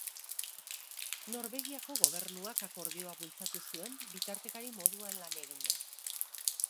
Norvegiako gobernuak akordioa bultzatu zuen, bitartekari moduan lan eginez.